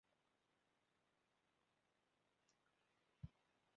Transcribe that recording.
Roedd arweinydd proffesiynol a diwinydd ar gyfer pob carafán fasnach.